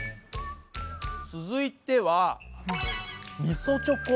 続いてはみそチョコ。